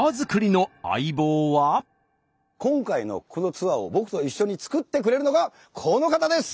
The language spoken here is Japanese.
今回のこのツアーを僕と一緒に作ってくれるのがこの方です！